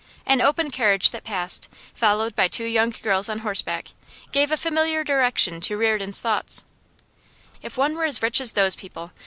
An open carriage that passed, followed by two young girls on horseback, gave a familiar direction to Reardon's thoughts. 'If one were as rich as those people!